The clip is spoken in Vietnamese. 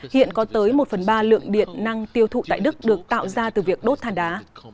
hiện có tới một phần ba lượng điện năng tiêu thụ tại đức được tạo ra từ việc đốt than đá